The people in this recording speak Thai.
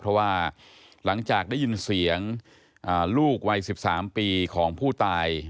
เพราะว่าหลังจากได้ยินเสียงลูกวัย๑๓ปีของผู้ตาย